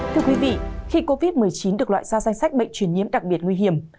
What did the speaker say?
thưa quý vị khi covid một mươi chín được loại ra danh sách bệnh truyền nhiễm đặc biệt nguy hiểm